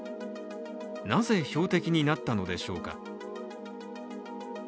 なぜ標的になったのでしょうか。